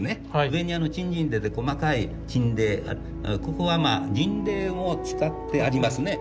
上に金銀泥で細かい金泥ここは銀泥を使ってありますね。